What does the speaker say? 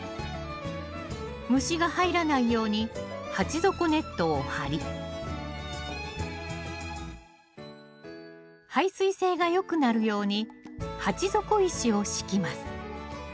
虫が入らないように鉢底ネットを張り排水性がよくなるように鉢底石を敷きます。